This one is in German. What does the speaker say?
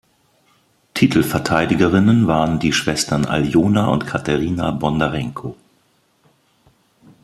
Titelverteidigerinnen waren die Schwestern Aljona und Kateryna Bondarenko.